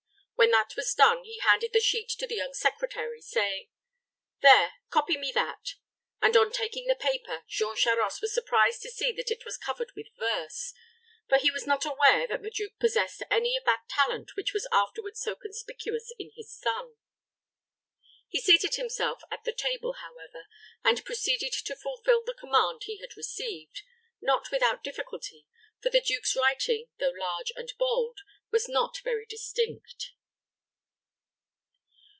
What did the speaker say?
When that was done, he handed the sheet to the young secretary, saying, "There, copy me that;" and, on taking the paper, Jean Charost was surprised to see that it was covered with verse; for he was not aware that the duke possessed any of that talent which was afterward so conspicuous in his son. He seated himself at the table, however, and proceeded to fulfill the command he had received, not without difficulty, for the duke's writing, though large and bold, was not very distinct.